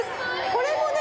これもね